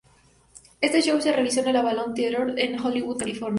Este show se realizó en el Avalon Theater en Hollywood California.